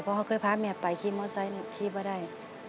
แต่พ่อเคยพาแม่ไปขี้มอสไซด์หนึ่งขี้ไม่ได้